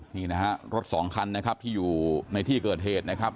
นี่นะฮะรถสองคันนะครับที่อยู่ในที่เกิดเหตุนะครับ